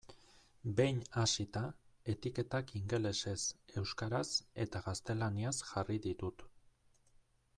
Behin hasita, etiketak ingelesez, euskaraz eta gaztelaniaz jarri ditut.